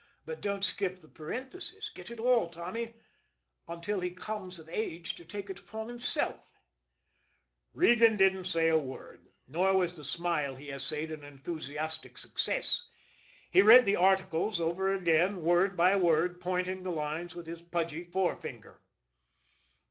But don't skip the parenthesis; get it all, Tommy 'until he come of age to take it upon himself.'" Regan didn't say a word nor was the smile he essayed an enthusiastic success. He read the "articles" over again word by word, pointing the lines with his pudgy forefinger.